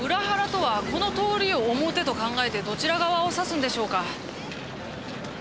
原とはこの通りを表と考えてどちら側を指すんでしょうか？